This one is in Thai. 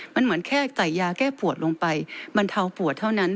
มันเหมือนแค่ใส่ยาแก้ปวดลงไปบรรเทาปวดเท่านั้น